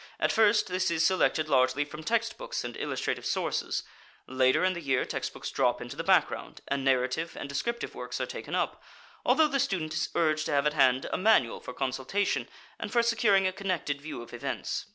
At first this is selected largely from text books and illustrative sources; later in the year text books drop into the background, and narrative and descriptive works are taken up, although the student is urged to have at hand a manual for consultation and for securing a connected view of events.